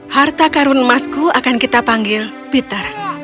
harta karun emasku akan kita panggil peter